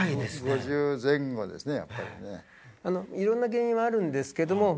１５０前後ですね